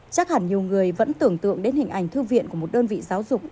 chắc hẳn nhiều người vẫn tưởng tượng đến hình ảnh thư viện của một đơn vị giáo dục